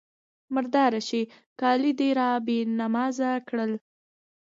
_مرداره شې! کالي دې را بې نمازه کړل.